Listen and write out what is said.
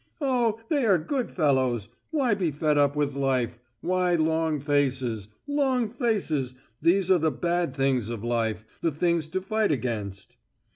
Oh! they are good fellows! Why be fed up with life? Why long faces? Long faces, these are the bad things of life, the things to fight against...."